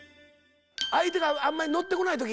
相手があんまりのってこない時？